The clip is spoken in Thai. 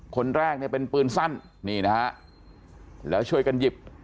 คนแรกเนี่ยเป็นปืนสั้นนี่นะฮะแล้วช่วยกันหยิบ